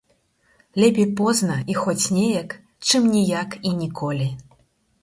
Лепей позна і хоць неяк, чым ніяк і ніколі.